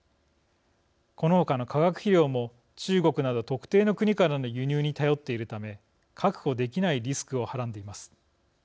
この他の化学肥料も中国など特定の国からの輸入に頼っているため確保できないリスクをはらんでいます。